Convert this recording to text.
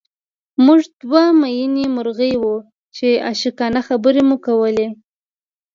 موږ دوه مئینې مرغۍ وو چې عاشقانه خبرې مو کولې